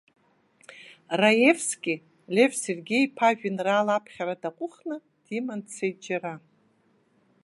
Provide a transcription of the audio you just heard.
Раевски, Лев Сергеи-иԥа ажәеинраала аԥхьара даҟәхны, диманы дцеит џьара.